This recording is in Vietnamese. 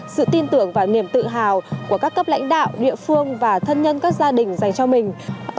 sự tin tưởng và niềm tự hào của các cấp lãnh đạo địa phương và thân nhân các gia đình dành cho mình